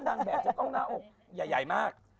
นางแบบจะต้องหน้าอกใหญ่มาก